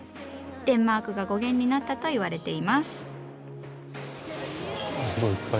デンマークが語源になったと言われています。